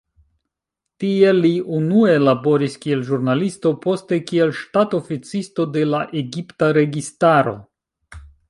Tie li unue laboris kiel ĵurnalisto, poste kiel ŝtatoficisto de la egipta registaro.